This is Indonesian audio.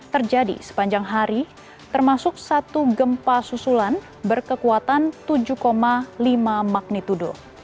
terjadi sepanjang hari termasuk satu gempa susulan berkekuatan tujuh lima magnitudo